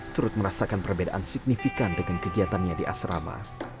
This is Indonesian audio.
turut merasakan perbedaan signifikan dengan kegiatannya di asrama